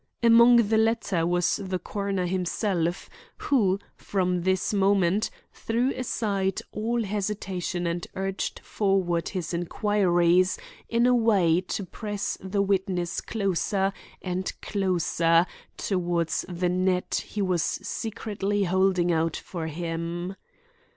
Among the latter was the coroner himself, who, from this moment, threw aside all hesitation and urged forward his inquiries in a way to press the witness closer and closer toward the net he was secretly holding out for him.